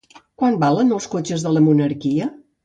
Quan valen els cotxes de la monarquia?